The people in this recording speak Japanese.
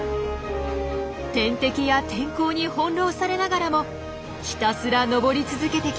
天敵や天候に翻弄されながらもひたすら登り続けてきました。